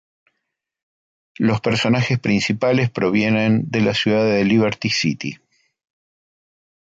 Los personajes principales provienen de la ciudad de Liberty City.